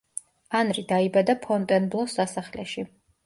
ანრი დაიბადა ფონტენბლოს სასახლეში.